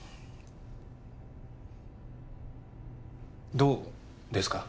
どうですか？